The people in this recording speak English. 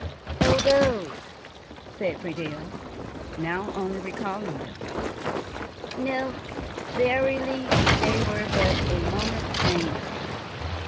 "Oh, those!" said Friedel, only now recalling them. "No, verily; they were but a moment's anger.